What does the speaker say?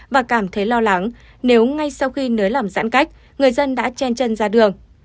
và cảm thấy lo lắng nếu ngay sau khi nới lỏng giãn cách người dân đã chen chân ra đường